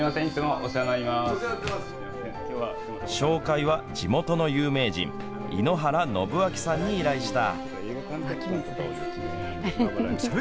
紹介は地元の有名人猪原信明さんに依頼した。